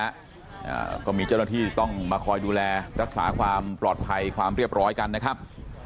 อ่าก็มีเจ้าหน้าที่ต้องมาคอยดูแลรักษาความปลอดภัยความเรียบร้อยกันนะครับ